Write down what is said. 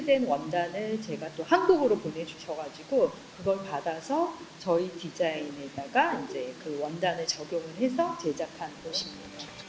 dan kami menerima pakaian itu dan membuat pakaian untuk desain kami